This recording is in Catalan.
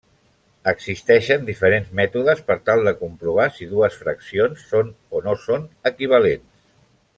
Existeixen diferents mètodes per tal de comprovar si dues fraccions són o no són equivalents.